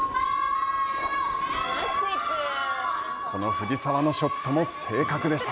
この藤澤のショットも正確でした。